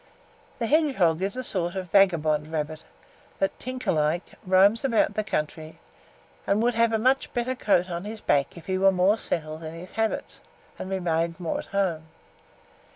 The hedgehog is a sort of vagabond rabbit, that, tinker like, roams about the country, and would have a much better coat on his back if he was more settled in his habits, and remained more at home.